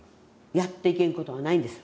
やっていけんことはないんです。